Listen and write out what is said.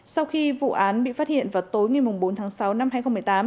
sau khi vụ án bị phát hiện vào tối ngày bốn tháng sáu năm hai nghìn một mươi tám